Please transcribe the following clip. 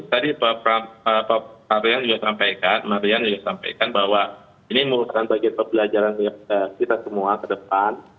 tadi pak aryan juga sampaikan marian juga sampaikan bahwa ini merupakan bagian pembelajaran kita semua ke depan